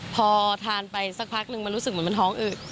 พอทานไปสักพักนึงมันรู้สึกเหมือนมันท้องอืด